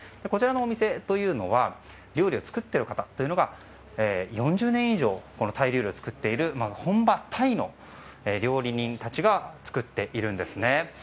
こちらのお店というのは料理を作っている方が４０年以上タイ料理を作っている本場タイの料理人たちが作っているんですね。